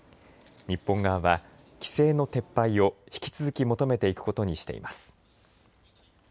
日本側は規制の撤廃を引き続き求めていくことにしています。